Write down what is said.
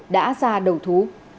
đã ra đầu thú